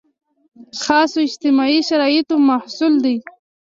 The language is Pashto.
خاصو اجتماعي شرایطو محصول دی.